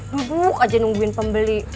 duduk aja nungguin pembeli